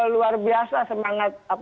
luar biasa semangat